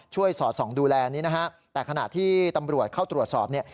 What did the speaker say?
สอดส่องดูแลนี้นะฮะแต่ขณะที่ตำรวจเข้าตรวจสอบเนี่ย